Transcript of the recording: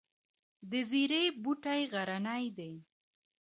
د زیرې بوټی غرنی دی